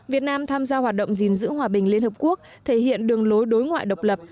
việt nam tham gia hoạt động gìn giữ hòa bình liên hợp quốc thể hiện đường lối đối ngoại độc lập